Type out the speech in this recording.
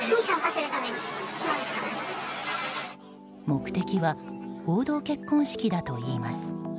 目的は合同結婚式だといいます。